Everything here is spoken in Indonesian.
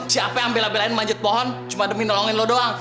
siapa yang ambil abel abelan manjat pohon cuma demi nolongin lo doang